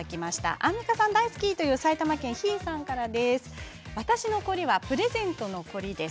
アンミカさん大好きという埼玉県の方です。